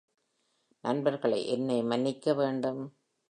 நண்பர்களே, என்னை மன்னிக்க வேண்டும்.